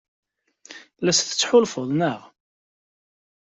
La as-tettḥulfuḍ, naɣ?